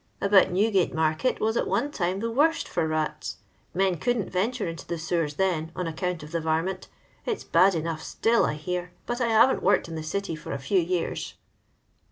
About Newmte* market was at one time the worst for rats. Men couldn't venture into the sewers then, on aoeonnt of the varmint It 's bad enough still, I hear, but I haven't worked in the City for a few years."